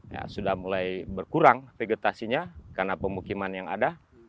ya sudah mulai berkurang vegetasinya karena pemukiman yang ada